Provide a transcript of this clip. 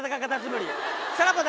さらばだ